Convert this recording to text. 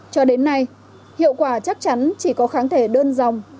cho đến nay hiệu quả chắc chắn chỉ có kháng thể đơn dòng